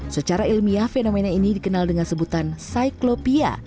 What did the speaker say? secara ilmiah fenomena ini dikenal dengan sebutan cyclopia